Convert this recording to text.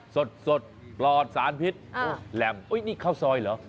สดปลอดสารพิษโอ้แหลมนี่ข้าวซอยเหรอ